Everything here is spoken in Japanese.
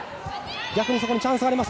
逆にそこにチャンスがあります。